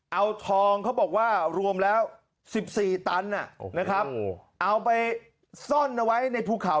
เอาทองเขาบอกว่ารวมแล้ว๑๔ตันนะครับเอาไปซ่อนเอาไว้ในภูเขา